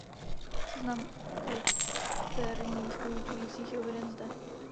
Seznam externích vyučujících je uveden zde.